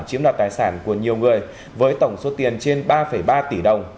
chiếm đoạt tài sản của nhiều người với tổng số tiền trên ba ba tỷ đồng